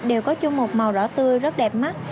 đều có chung một màu đỏ tươi rất đẹp mắt